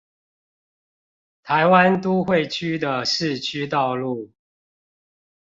台灣都會區的市區道路